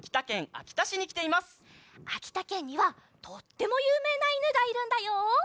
あきたけんにはとってもゆうめいないぬがいるんだよ。